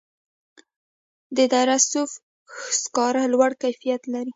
د دره صوف سکاره لوړ کیفیت لري